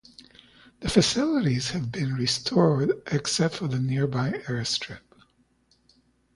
The facilities have been restored except for the nearby airstrip.